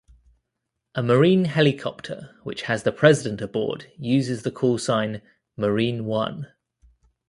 A Marine helicopter which has the President aboard uses the call sign "Marine One".